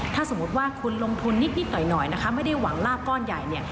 ถ้าสมมุติว่าคุณลงทุนนิดหน่อยนะคะไม่ได้หวังลาบก้อนใหญ่เนี่ย